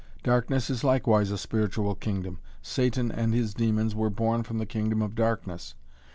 Darkness is likewise a spiritual kingdom: Satan and his demons were born from the kingdom of Darkness.